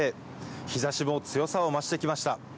日ざしも強さを増してきました。